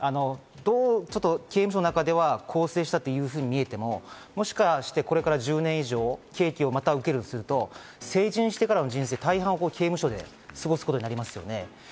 刑務所の中では更生したというふうに見えても、もしかして、これから１０年以上、刑期をまた受けるとすると、成人してからの人生を大半刑務所で過ごすことになりますね。